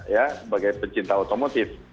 ya sebagai pecinta otomotif